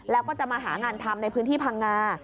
แล้วก็จะมาหางานทำในพื้นที่พังงา